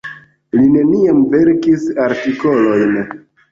Li neniam verkis artikolojn.